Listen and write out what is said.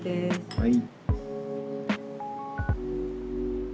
はい。